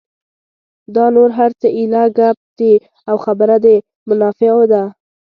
دا نور هر څه ایله ګپ دي او خبره د منافعو ده.